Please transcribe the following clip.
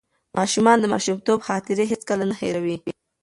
ماشومان د ماشومتوب خاطرې هیڅکله نه هېروي.